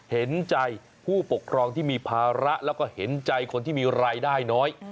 เห็นใจผู้ปกครองที่มีภาระแล้วก็เห็นใจคนที่มีรายได้น้อย